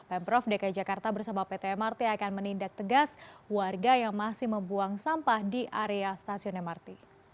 pemprov dki jakarta bersama pt mrt akan menindak tegas warga yang masih membuang sampah di area stasiun mrt